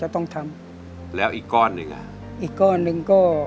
สวัสดีครับ